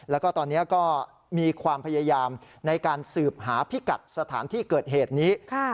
แล้วก็ตอนนี้ก็มีความพยายามในการสืบหาพิกัดสถานที่เกิดเหตุนี้